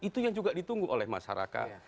itu yang juga ditunggu oleh masyarakat